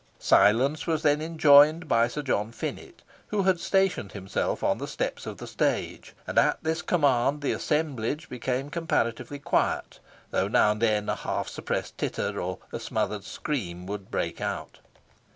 Silence was then enjoined by Sir John Finett, who had stationed himself on the steps of the stage, and at this command the assemblage became comparatively quiet, though now and then a half suppressed titter or a smothered scream would break out.